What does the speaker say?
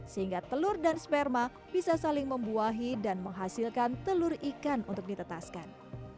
sehingga telur dan sperma bisa saling membuahi dan menghasilkan telur ikan untuk ditetaskan